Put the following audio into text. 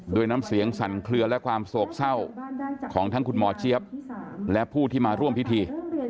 ด้วยน้ำเสียงสั่นเคลือและความโศกเศร้าของทั้งคุณหมอเจี๊ยบและผู้ที่มาร่วมพิธี